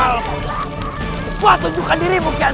lepas tunjukkan diri mungkin